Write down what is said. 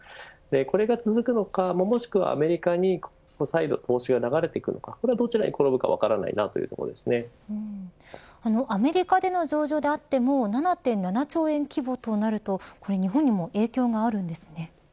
これが続くのかもしくはアメリカに再度投資が流れていくのかどちらに転ぶか分からないアメリカでの上場であっても７．７兆円規模となると日本にも影響があるんですね。